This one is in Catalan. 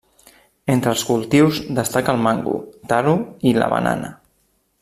Entre els cultius, destaca el mango, taro i la banana.